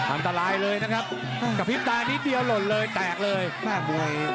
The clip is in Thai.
อันตรายเลยนะครับกระพริบตานิดเดียวหล่นเลยแตกเลยแม่มวย